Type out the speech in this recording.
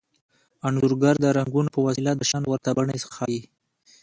انځورګر د رنګونو په وسیله د شیانو ورته بڼې ښيي